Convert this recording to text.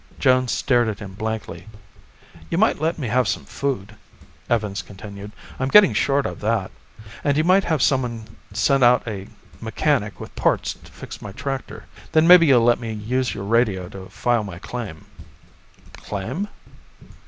Jones stared at him blankly. "You might let me have some food," Evans continued. "I'm getting short of that. And you might have someone send out a mechanic with parts to fix my tractor. Then maybe you'll let me use your radio to file my claim." "Claim?"